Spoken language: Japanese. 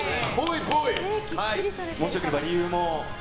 もしよければ理由も。